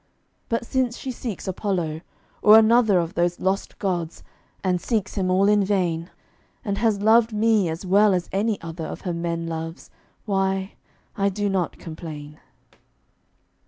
But since she seeks Apollo, or another Of those lost gods (and seeks him all in vain) And has loved me as well as any other Of her men loves, why, I do not complain.